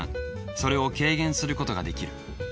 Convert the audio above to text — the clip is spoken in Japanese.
それを軽減することができる。